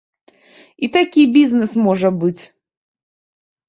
І такі бізнес можа быць.